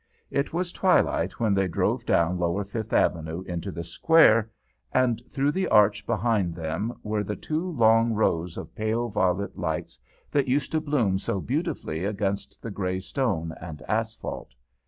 It was twilight when they drove down lower Fifth Avenue into the Square, and through the Arch behind them were the two long rows of pale violet lights that used to bloom so beautifully against the grey stone and asphalt.